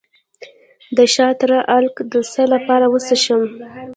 د شاه تره عرق د څه لپاره وڅښم؟